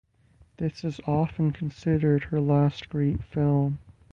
This is often considered her last great film.